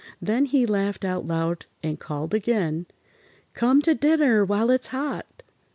Then he laughed out loud and called again: "Come to dinner while it's hot!"